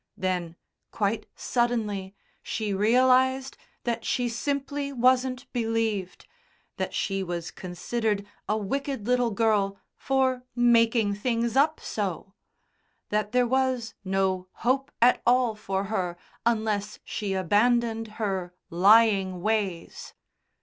Then, quite suddenly, she realised that she simply wasn't believed, that she was considered a wicked little girl "for making things up so," that there was no hope at all for her unless she abandoned her "lying ways."